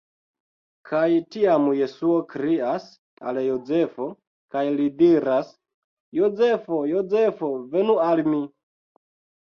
Kaj tiam Jesuo krias al Jozefo, kaj li diras: "Jozefo! Jozefo, venu al mi!